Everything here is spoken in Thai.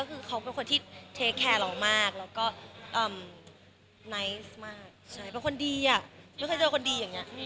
เป็นคนดีอ่ะไม่เคยเจอคนดีอย่างนี้